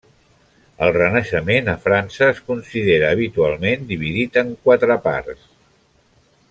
El Renaixement a França es considera habitualment dividit en quatre parts.